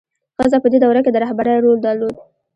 ښځه په دې دوره کې د رهبرۍ رول درلود.